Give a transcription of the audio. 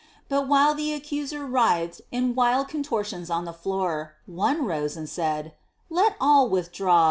But, while the accuser writhed in wild contortions on the floor, One rose and said, "Let all withdraw!